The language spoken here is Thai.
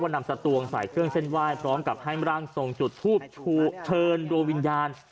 นำสตวงใส่เครื่องเส้นไหว้พร้อมกับให้ร่างทรงจุดทูบเชิญดวงวิญญาณ